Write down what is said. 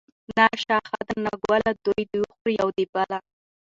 ـ نه آشه ښه ده نه ګله دوي د وخوري يو د بله.